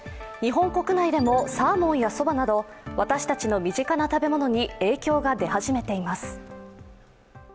日本国内でも、サーモンやそばなど私たちの身近な食べ物に影響が出始めています。